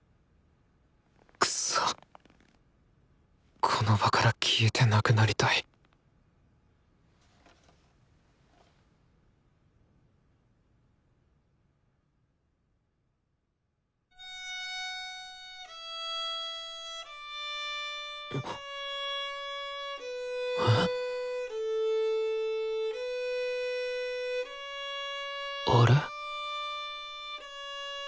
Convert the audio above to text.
くそこの場から消えてなくなりたいあれ？